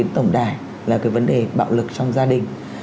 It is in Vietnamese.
tổng đài là cái vấn đề bạo lực trong gia đình